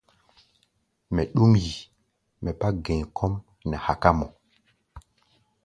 Mɛ ɗúm yi, mɛ bá gɛ̧i̧ kɔ́ʼm nɛ haká mɔ.